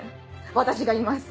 私がいます。